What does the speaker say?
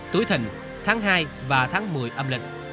tối thình tháng hai và tháng một mươi âm lịch